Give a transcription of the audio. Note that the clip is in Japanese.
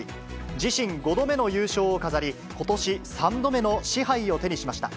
自身５度目の優勝を飾り、ことし３度目の賜杯を手にしました。